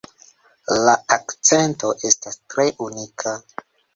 La akcento estas tre unika.